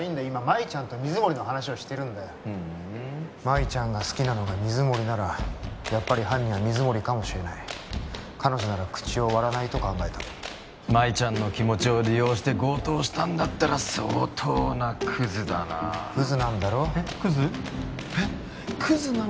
今マイちゃんと水森の話をしてるんだよふんマイちゃんが好きなのが水森ならやっぱり犯人は水森かもしれない彼女なら口を割らないと考えたマイちゃんの気持ちを利用して強盗したんだったら相当なクズだなクズなんだろえっクズ？